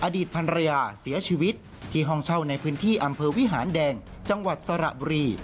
อดีตพันรยาเสียชีวิตที่ห้องเช่าในพื้นที่อำเภอวิหารแดงจังหวัดสระบุรี